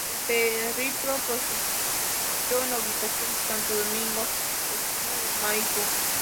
El periplo prosiguió en la ubicación de Santo Domingo esquina de Maipú.